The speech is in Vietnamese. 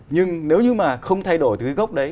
nhưng nếu như mà không thay đổi từ cái gốc đấy